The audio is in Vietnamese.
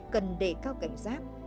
cần để cao cảnh giác